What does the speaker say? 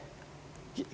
kita punya tawaran